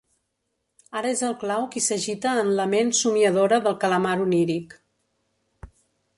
Ara és el clau qui s'agita en la ment somiadora del calamar oníric.